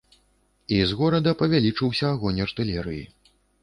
І з горада павялічыўся агонь артылерыі.